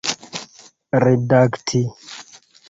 redakti